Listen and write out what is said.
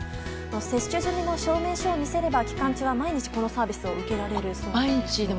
接種済みの証明書を見せれば期間中は毎日このサービスを受けられるそうです。